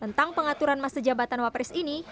tentang pengaturan masa jabatan wapres ini